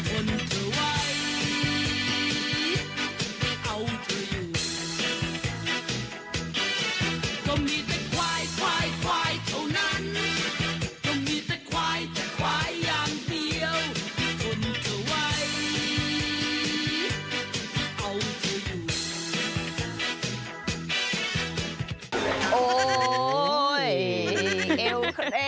โอ้โฮเอวเคร็ดเลย